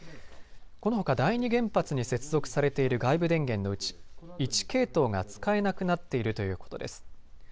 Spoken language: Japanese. このほか第二原発に接続されている外部電源のうち１系統が使えなくなっているということです。